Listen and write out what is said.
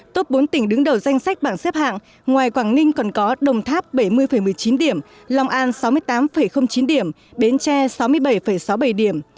tốt bốn tỉnh đứng đầu danh sách bảng xếp hạng ngoài quảng ninh còn có đồng tháp bảy mươi một mươi chín điểm long an sáu mươi tám chín điểm bến tre sáu mươi bảy sáu mươi bảy điểm